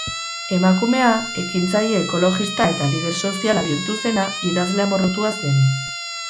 Emakumea, ekintzaile ekologista eta lider soziala bihurtu zena, idazle amorratua zen.